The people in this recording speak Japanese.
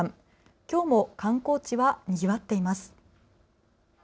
きょうも観光地はにぎわっています。